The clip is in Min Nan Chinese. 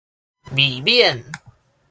未免